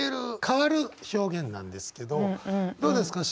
代わる表現なんですけどどうですか？